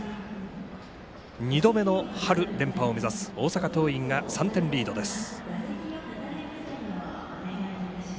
２度目の春連覇を目指す大阪桐蔭が３点リードです。